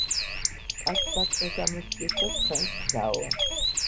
კაცს საქმე გამოსცდის და ცხენს გზაო